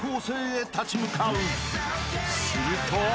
［すると］